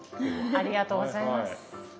ありがとうございます。